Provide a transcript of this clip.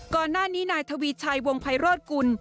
ก่อนหน้านี้นายทวีชัยวงไพโรธกุล